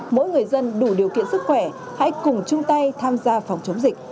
mỗi người dân đủ điều kiện sức khỏe hãy cùng chung tay tham gia phòng chống dịch